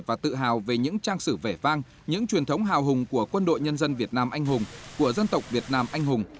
và tự hào về những trang sử vẻ vang những truyền thống hào hùng của quân đội nhân dân việt nam anh hùng